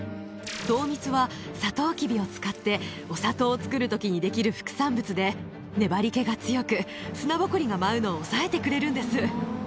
糖蜜は、サトウキビを使ってお砂糖を作るときに出来る副産物で、粘りけが強く、砂ぼこりが舞うのを抑えてくれるんです。